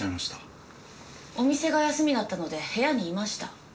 お店が休みだったので部屋にいました。